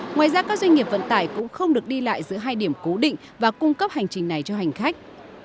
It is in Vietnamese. ngoài ra các doanh nghiệp vận tải cũng không được đi lại giữa hai điểm cố định và cung cấp hành trình này cho hành khách